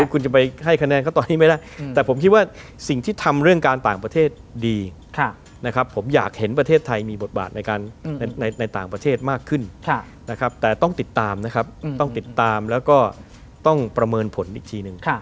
คุณจะไปให้คะแนนเขาตอนนี้ไม่ได้แต่ผมคิดว่าสิ่งที่ทำเรื่องการต่างประเทศดีนะครับผมอยากเห็นประเทศไทยมีบทบาทในการในต่างประเทศมากขึ้นนะครับแต่ต้องติดตามนะครับต้องติดตามแล้วก็ต้องประเมินผลอีกทีหนึ่ง